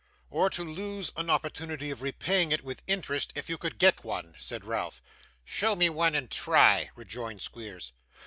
'Or to lose an opportunity of repaying it with interest, if you could get one?' said Ralph. 'Show me one, and try,' rejoined Squeers.